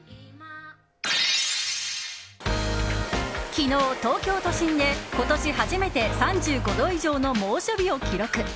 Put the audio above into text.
昨日、東京都心で今年初めて３５度以上の猛暑日を記録。